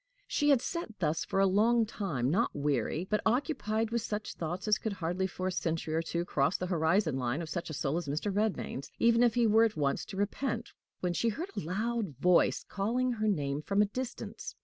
She had sat thus for a long time, not weary, but occupied with such thoughts as could hardly for a century or two cross the horizon line of such a soul as Mr. Redmain's, even if he were at once to repent, when she heard a loud voice calling her name from a distance.